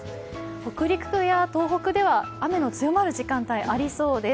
北陸や東北では雨の強まる時間帯ありそうです。